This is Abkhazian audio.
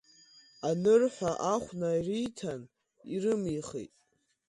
Анырҳәа, ахә нариҭан, ирымихит.